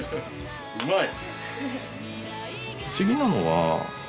うまい！